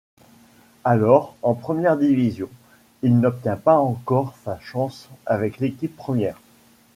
Alors en première division, il n'obtient pas encore sa chance avec l'équipe première.